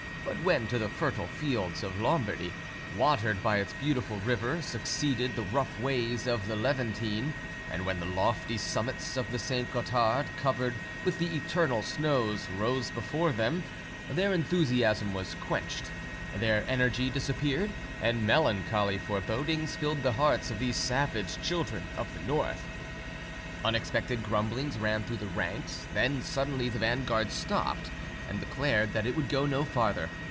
But when to the fertile fields of Lombardy, watered by its beautiful river, succeeded the rough ways of the Levantine, and when the lofty summits of the St. Gothard, covered with the eternal snows, rose before them, their enthusiasm was quenched, their energy disappeared, and melancholy forebodings filled the hearts of these savage children of the North. Unexpected grumblings ran through the ranks; then suddenly the vanguard stopped, and declared that it would go no farther.